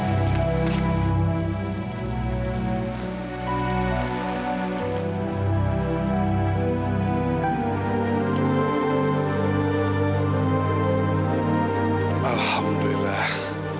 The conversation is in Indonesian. saya permisi pak assalamualaikum